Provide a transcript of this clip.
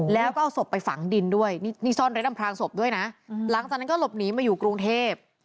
แล้วก็เอาศพไปฝังดินด้วยนี่ซ่อนเร็ดอำพลางศพด้วยนะหลังจากนั้นก็หลบหนีมาอยู่กรุงเทพ